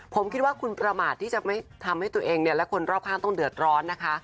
ผมคิดว่าคุณประมาทที่จะไม่ทำให้ตัวเองและคนรอบข้างต้องเดือดร้อนนะคะ